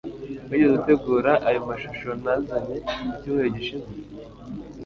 Wigeze utegura ayo mashusho nazanye mu cyumweru gishize